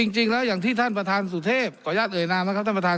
จริงแล้วอย่างที่ท่านประธานสุธธิปตร์ขออนุญาตหน่อยนะครับท่านประธาน